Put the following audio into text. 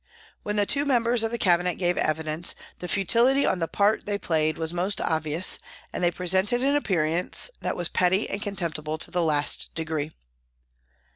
When the two members of the Cabinet gave evidence, the futility of the part they played was most obvious and they presented an appearance that was petty and contemptible to the last degree.